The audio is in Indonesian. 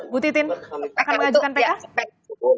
bu titin akan mengajukan pks